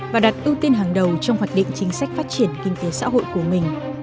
và đặt ưu tiên hàng đầu trong hoạt định chính sách phát triển kinh tế xã hội của mình